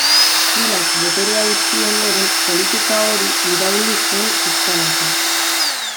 Silak boterea utzi ondoren, politika hori irauli zen pixkanaka.